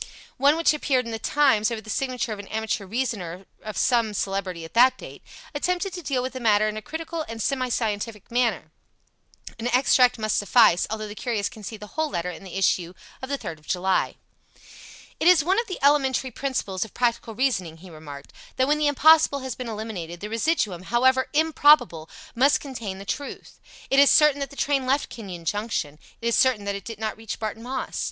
One which appeared in The Times, over the signature of an amateur reasoner of some celebrity at that date, attempted to deal with the matter in a critical and semi scientific manner. An extract must suffice, although the curious can see the whole letter in the issue of the 3rd of July. "It is one of the elementary principles of practical reasoning," he remarked, "that when the impossible has been eliminated the residuum, HOWEVER IMPROBABLE, must contain the truth. It is certain that the train left Kenyon Junction. It is certain that it did not reach Barton Moss.